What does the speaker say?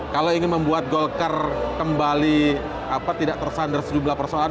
kalau ingin membuat golkar kembali tidak tersandar sejumlah persoalan